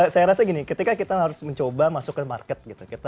saya rasa gini ketika kita harus mencoba masuk ke market gitu